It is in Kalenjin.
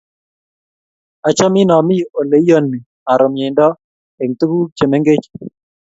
Achomin amin ole iyoni aro myeindo eng' tuk che mengech.